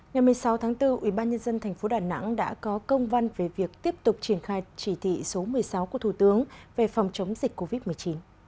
ngày một mươi sáu tháng bốn ubnd tp đà nẵng đã có công văn về việc tiếp tục triển khai chỉ thị số một mươi sáu của thủ tướng về phòng chống dịch covid một mươi chín